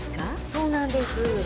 そうなんです。